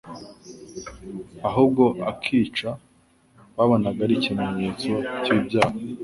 ahubwo ikica, babonaga ari ikimenyetso cy'ibyaha.